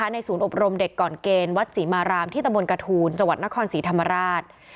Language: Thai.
ศูนย์อบรมเด็กก่อนเกณฑ์วัดศรีมารามที่ตะบนกระทูลจังหวัดนครศรีธรรมราช